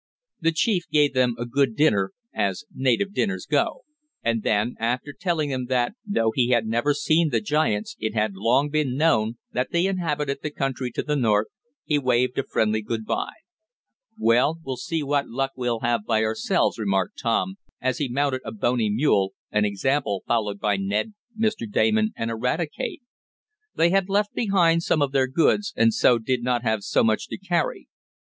The chief gave them a good dinner, as native dinners go, and then, after telling them that, though he had never seen the giants it had long been known that they inhabited the country to the north, he waved a friendly good bye. "Well, we'll see what luck we'll have by ourselves," remarked Tom, as he mounted a bony mule, an example followed by Ned, Mr. Damon and Eradicate, They had left behind some of their goods, and so did not have so much to carry.